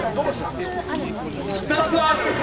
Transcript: ２つあるんですけど。